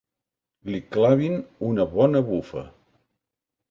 Li clavin una bona bufa.